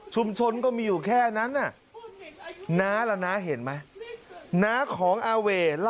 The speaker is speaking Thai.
ชุมชนก็มีอยู่แค่นั้นน่ะน้าเห็นไหมน้าของอาเว่